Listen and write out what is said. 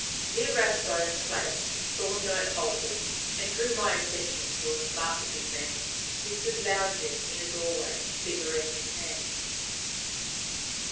Near Rathbone Place Thorndyke halted and drew my attention to a smart looking man who stood lounging in a doorway, cigarette in hand.